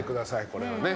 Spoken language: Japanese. これはね。